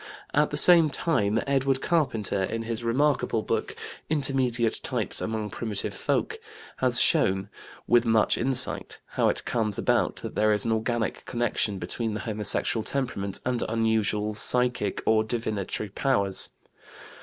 At the same time Edward Carpenter in his remarkable book, Intermediate Types among Primitive Folk (1914), has shown with much insight how it comes about that there is an organic connection between the homosexual temperament and unusual psychic or divinatory powers.